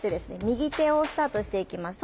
右手をスタートしていきます。